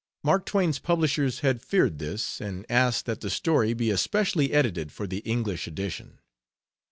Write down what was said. Mark Twain's publishers had feared this, and asked that the story be especially edited for the English edition.